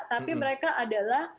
tapi mereka adalah